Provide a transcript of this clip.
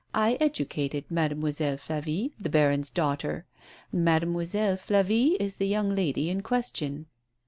I educated Mademoiselle Flavie — the baron's daughter. Mademoiselle Flavie is the young lady in question."